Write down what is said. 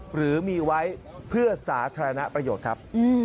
หรือมีไว้เพื่อสาธารณประโยชน์ครับ